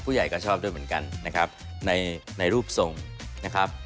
ก็ชอบด้วยเหมือนกันนะครับในรูปทรงนะครับ